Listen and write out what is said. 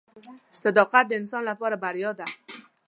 • صداقت د انسان لپاره بریا ده.